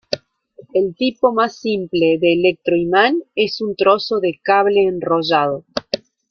El tipo más simple de electroimán es un trozo de cable enrollado.